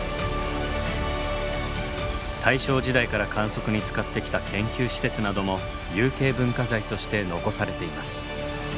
大正時代から観測に使ってきた研究施設なども有形文化財として残されています。